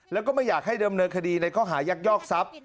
แล้วก็ไม่อยากให้เดิมเนินคดีในข้อหายักยอกทรัพย์